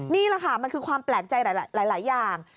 นี่แหละค่ะมันคือความแปลกใจหลายอย่าง